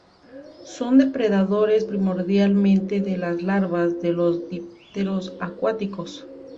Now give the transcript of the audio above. Son depredadores, primordialmente de las larvas de los dípteros acuáticos.